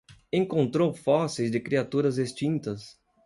Encontrou fósseis de criaturas extintas